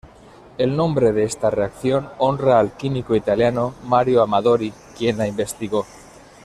El nombre de esta reacción honra al químico italiano Mario Amadori, quien la investigó.